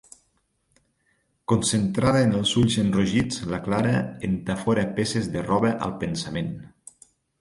Concentrada en el ulls enrogits, la Clara entafora peces de roba al pensament.